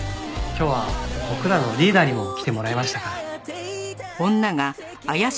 今日は僕らのリーダーにも来てもらいましたから。